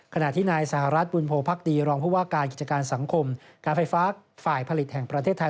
ขณะที่นายสหรัฐบุญโพภักดีรองผู้ว่าการกิจการสังคมการไฟฟ้าฝ่ายผลิตแห่งประเทศไทย